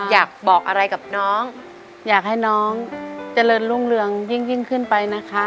อยากบอกอะไรกับน้องอยากให้น้องเจริญรุ่งเรืองยิ่งขึ้นไปนะคะ